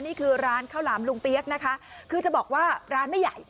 นี่คือร้านข้าวหลามลุงเปี๊ยกนะคะคือจะบอกว่าร้านไม่ใหญ่